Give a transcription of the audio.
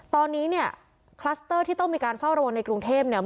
ตอนนี้เนี่ยคลัสเตอร์ที่ต้องมีการเฝ้าระวังในกรุงเทพเนี่ย